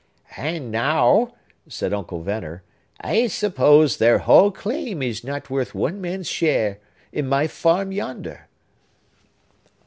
"And now" said Uncle Venner "I suppose their whole claim is not worth one man's share in my farm yonder!"